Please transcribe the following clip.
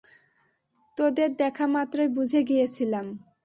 তোদের দেখামাত্রই বুঝে গিয়েছিলাম।